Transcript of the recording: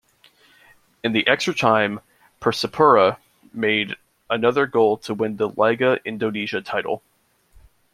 In the extra time Persipura made another goal to win the Liga Indonesia title.